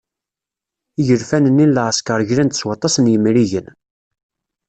Igelfan-nni n leεeskeṛ glan-d s waṭas n yimrigen.